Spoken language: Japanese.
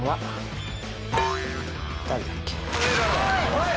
おい！